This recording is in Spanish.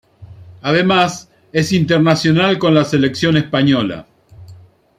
Además, es internacional con la selección española.